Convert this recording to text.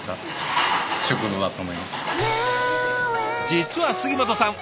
実は杉本さん